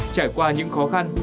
trải qua những khó khăn